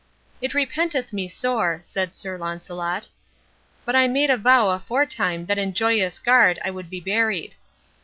"It repenteth me sore," said Sir Launcelot, "but I made a vow aforetime that in Joyous Garde I would be buried."